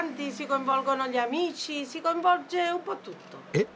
えっ！？